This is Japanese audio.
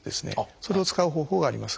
それを使う方法があります。